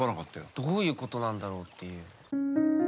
どういうことなんだろう？っていう。